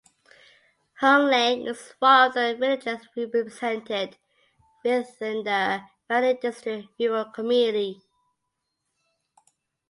Hung Leng is one of the villages represented within the Fanling District Rural Committee.